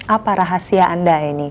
apa rahasia anda ini